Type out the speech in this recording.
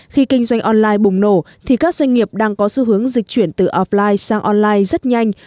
khi kinh doanh online bùng nổ thì các doanh nghiệp đang có xu hướng dịch chuyển từ offline sang online rất nhanh